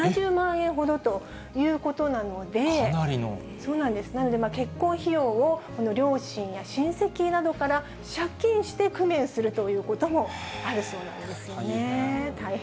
そうなんです、なので結婚費用を両親や親戚などから借金して工面するということ大変。